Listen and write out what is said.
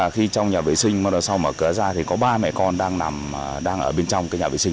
khi trong nhà vệ sinh mở cửa ra có ba mẹ con đang ở bên trong